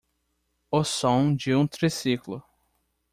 O som de um triciclo